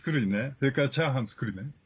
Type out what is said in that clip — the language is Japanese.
それからチャーハン作る。